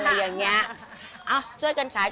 คิกคิกคิกคิกคิกคิกคิก